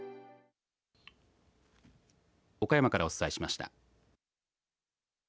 岡山からお伝えしました。